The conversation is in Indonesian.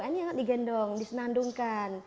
ini anak digendong disenandungkan